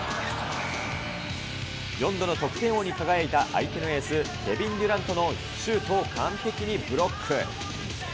４度の得点王に輝いた相手のエース、ケビン・デュラントのシュートを完璧にブロック。